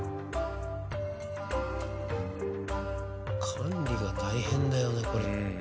管理が大変だよねこれ。